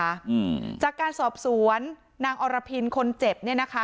อืมจากการสอบสวนนางอรพินคนเจ็บเนี้ยนะคะ